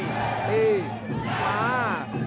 นี่มา